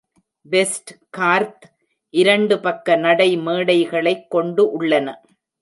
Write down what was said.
Westgarth இரண்டு பக்க நடைமேடைகளை கொண்டு உள்ளன.